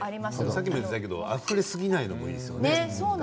さっきも言っていたけどあふれすぎないのがいいですね